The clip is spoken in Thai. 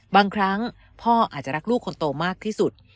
บางครั้งพ่ออาจจะรักลูกคนโตมากที่สุด